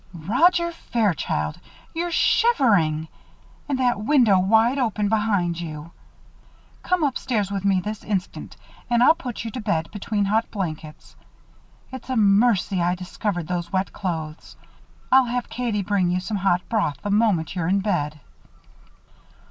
"Roger Fairchild! You're shivering! And that window wide open behind you! Come upstairs with me this instant and I'll put you to bed between hot blankets. It's a mercy I discovered those wet clothes. I'll have Katie bring you some hot broth the moment you're in bed."